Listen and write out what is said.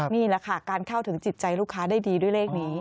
นี่แหละค่ะการเข้าถึงจิตใจลูกค้าได้ดีด้วยเลขนี้